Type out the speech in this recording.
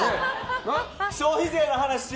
消費税の話しよ！